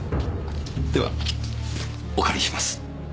ではお借りします。